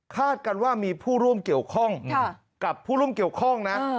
กันว่ามีผู้ร่วมเกี่ยวข้องกับผู้ร่วมเกี่ยวข้องนะ